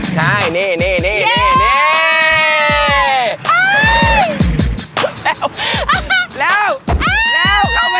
ใช่นี่นี่นี่นี่นี่